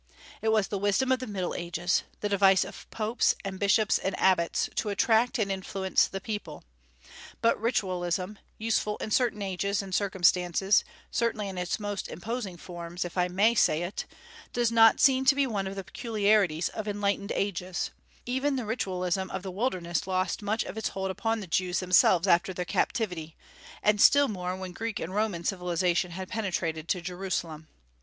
It was the wisdom of the Middle Ages, the device of popes and bishops and abbots to attract and influence the people. But ritualism useful in certain ages and circumstances, certainly in its most imposing forms, if I may say it does not seem to be one of the peculiarities of enlightened ages; even the ritualism of the wilderness lost much of its hold upon the Jews themselves after their captivity, and still more when Greek and Roman civilization had penetrated to Jerusalem.